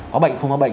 có bệnh không có bệnh